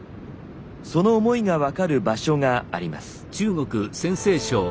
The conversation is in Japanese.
その思いが分かる場所があります。